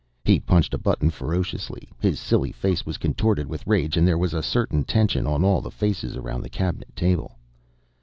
He punched a button ferociously; his silly face was contorted with rage and there was a certain tension on all the faces around the Cabinet table.